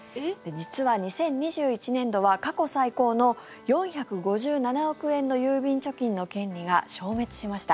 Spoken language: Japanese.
実は２０２１年度は過去最高の４５７億円の郵便貯金の権利が消滅しました。